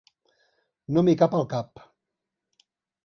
No m'hi cap al cap.